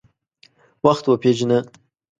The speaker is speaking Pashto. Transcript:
وخت وپیژنه.